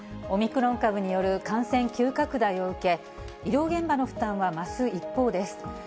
オミクロン株による感染急拡大を受け、医療現場の負担は増す一方です。